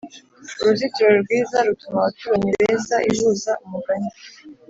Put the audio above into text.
uruzitiro rwiza rutuma abaturanyi beza ihuza umugani